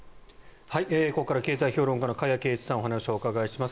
ここから経済評論家の加谷珪一さんにお話を伺います。